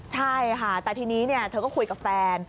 ใช่ค่ะแต่ทีนี้เธอก็คุยกับแฟน